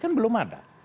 kan belum ada